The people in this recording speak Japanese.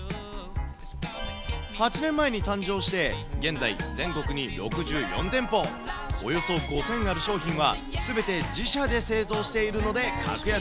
８年前に誕生して、現在、全国に６４店舗、およそ５０００ある商品はすべて自社で製造しているので、格安。